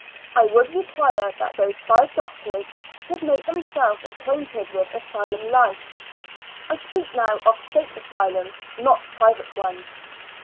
I would require that those ^yq doctors should make themselves acquainted with asylum life ; I speak now of State asylums, not private ones.